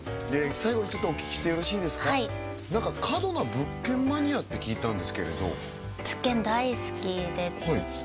最後にちょっとお聞きしてよろしいですか何か過度な物件マニアって聞いたんですけれど物件大好きでですね